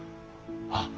あっ！